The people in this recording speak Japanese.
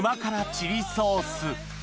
チリソース